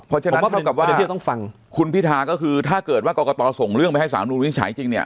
เพราะฉะนั้นคุณพิทาก็คือถ้าเกิดว่ากรกตรส่งเรื่องไปให้สามรูปนี้ใช้จริง